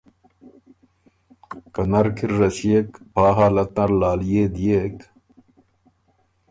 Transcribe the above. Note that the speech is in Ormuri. که نر کی ر رسئېک پا حالت نر لالئے دئېک